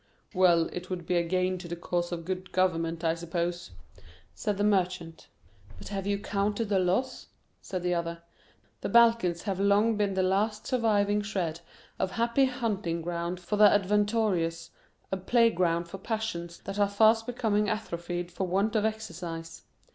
"Well, it would be a gain to the cause of good government, I suppose," said the Merchant. "But have you counted the loss?" said the other. "The Balkans have long been the last surviving shred of happy hunting ground for the adventurous, a playground for passions that are fast becoming atrophied for want of exercise.